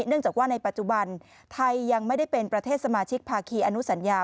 เนื่องจากว่าในปัจจุบันไทยยังไม่ได้เป็นประเทศสมาชิกภาคีอนุสัญญา